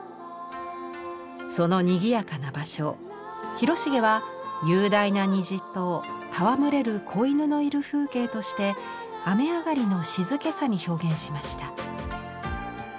そのにぎやかな場所を広重は雄大な虹と戯れる子犬のいる風景として雨上がりの静けさに表現しました。